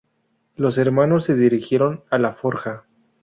Los hermanos se dirigieron a la forja.